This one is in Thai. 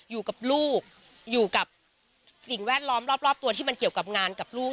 อยู่กับลูกอยู่กับสิ่งแวดล้อมรอบตัวที่มันเกี่ยวกับงานกับลูก